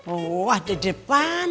oh ada di depan